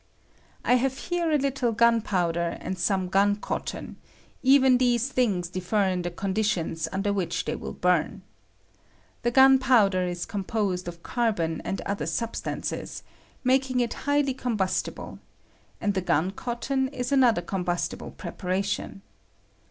I have here a little gunpowder and some gun cotton; even these things differ in the eonditiona under which they will bum. The gunpowder is composed of car bon and other substances, making it highly com bustible ; and the gun eotton ia another com bustible preparation.